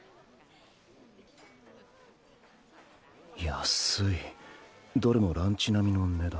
安いどれもランチ並みの値段。